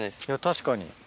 確かに。